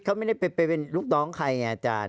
เขาไม่ได้ไปเป็นลูกน้องใครไงอาจารย์